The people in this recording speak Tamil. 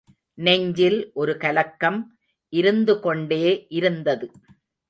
நெஞ்சில் ஒருகலக்கம் இருந்து கொண்டே இருந்தது.